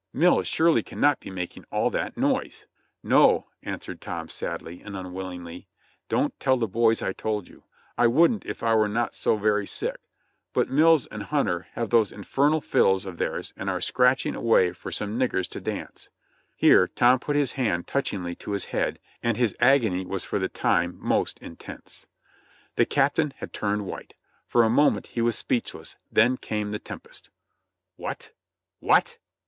Mills surely cannot be making all that noise !" "No," answered Tom sadly and unwillingly. "Don't tell the boys I told you. I wouldn't if I were not so very sick, but Mills and Hunter have those infernal fiddles of theirs and are scratching away for some niggers to dance," Here Tom put his hand touch ingly to his head and his agony was for the time most intense. The Captain had turned white ; for a moment he was speechless, then came the tempest. "What! WHAT!!